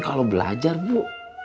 kalau belajar bu